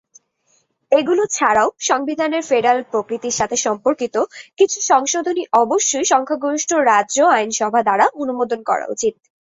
এগুলি ছাড়াও সংবিধানের ফেডারেল প্রকৃতির সাথে সম্পর্কিত কিছু সংশোধনী অবশ্যই সংখ্যাগরিষ্ঠ রাজ্য আইনসভা দ্বারা অনুমোদন করা উচিত।